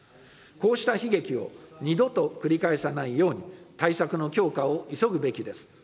こうした悲劇を二度と繰り返さないように、対策の強化を急ぐべきです。